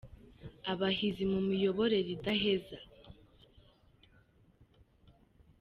Abahizi mu miyoborere idaheza.